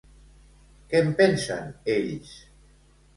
Què en pensen ells?